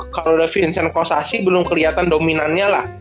kalau ada vincent kossashi belum keliatan dominannya lah